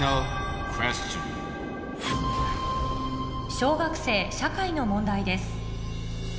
小学生社会の問題です